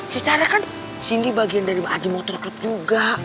secara kan cindy bagian dari ajang motor club juga